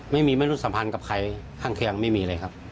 ไม่รู้สัมพันธ์กับใครข้างเคียงไม่มีเลยครับ